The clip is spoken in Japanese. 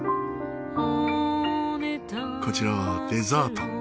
こちらはデザート。